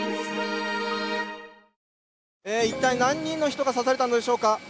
一体、何人の人が刺されたのでしょうか。